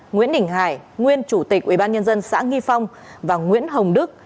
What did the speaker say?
nguyễn đình hải nguyên chủ tịch ubnd xã nghi phong và nguyễn hồng đức